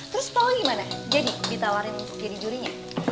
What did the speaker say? terus pawai gimana jadi ditawarin jadi jurinya